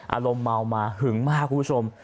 อารมณ์เมามาหึงมากคุณผู้ชม